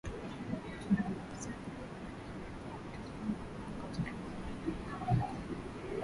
kuchunguza uhusiano uliopo baina ya lugha za Kibantu zilizoko katika eneo lote ambalo hukaliwa